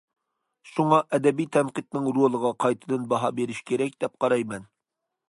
شۇڭا ئەدەبىي تەنقىدنىڭ رولىغا قايتىدىن باھا بېرىش كېرەك دەپ قارايمەن.